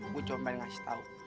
gue cuma pengen ngasih tau